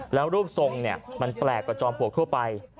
แล้วรูปทรงมันแปลกกว่าจอมปลวกทั่วไป